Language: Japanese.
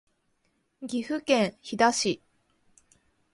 岐阜県飛騨市